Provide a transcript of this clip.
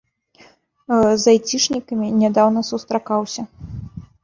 З айцішнікамі нядаўна сустракаўся.